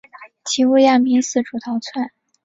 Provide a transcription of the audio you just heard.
其余羌兵四处逃窜。